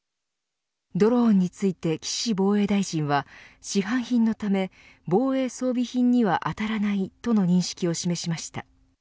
ドローンについて岸防衛大臣は市販品のため、防衛装備品にはあたらないとの認識を示しました。